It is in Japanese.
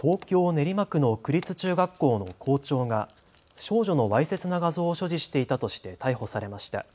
練馬区の区立中学校の校長が少女のわいせつな画像を所持していたとして逮捕されました。